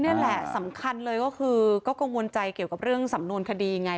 นี่แหละสำคัญเลยก็คือก็กังวลใจเกี่ยวกับเรื่องสำนวนคดีไง